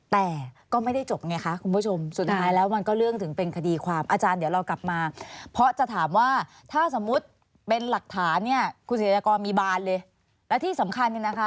แต่ก็ไม่ได้จบไงคะคุณผู้ชมสุดท้ายแล้วมันก็เรื่องถึงเป็นคดีความอาจารย์เดี๋ยวเรากลับมาเพราะจะถามว่าถ้าสมมุติเป็นหลักฐานเนี่ยคุณเศรษฐกรมีบานเลยและที่สำคัญเนี่ยนะคะ